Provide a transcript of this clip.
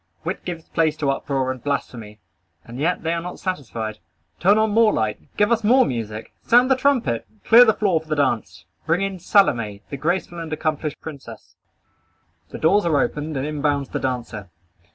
Wit gives place to uproar and blasphemy. And yet they are not satisfied. Turn on more light. Give us more music. Sound the trumpet. Clear the floor for the dance. Bring in Salome, the graceful and accomplished princess. The doors are opened and in bounds the dancer.